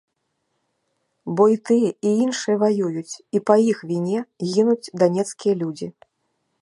Бо і тыя і іншыя ваююць, і па іх віне гінуць данецкія людзі.